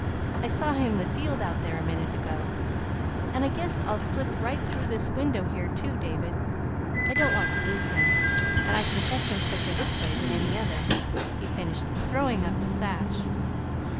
I saw him in the field out there a minute ago. And I guess I'll slip right through this window here, too, David. I don't want to lose him; and I can catch him quicker this way than any other," he finished, throwing up the sash.